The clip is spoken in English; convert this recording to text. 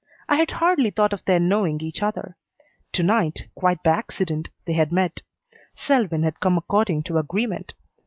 I had hardly thought of their knowing each other. To night, quite by accident, they had met. Selwyn had come according to agreement.